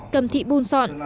hai cầm thị buôn sọn